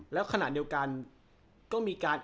แล้วขณะเดียวกันก็มีการ